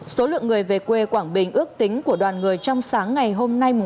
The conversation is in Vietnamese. số lượng người về quê quảng bình ước tính của đoàn người trong sáng ngày hôm nay